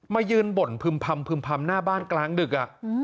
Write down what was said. มายืนบ่นพึ่มพำหน้าบ้านกลางดึก